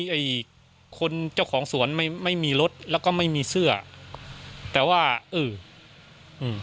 ไอ้คนเจ้าของสวนไม่ไม่มีรถแล้วก็ไม่มีเสื้อแต่ว่าเอออืม